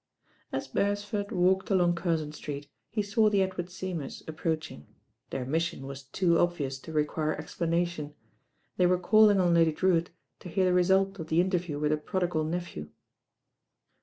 As Beresford walked along Curzon Street he saw the Edward Seymours approaching; their mission was too obvious to require explanation. They were calling on Lady Drewitt to hear the result of the interview with her prodigal nephew.